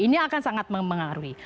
ini akan sangat mengaruhi